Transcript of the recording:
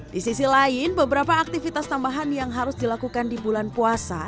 di sisi lain beberapa aktivitas tambahan yang harus dilakukan di bulan puasa